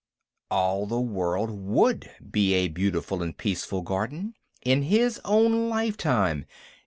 All the world would be a beautiful and peaceful garden, in his own lifetime!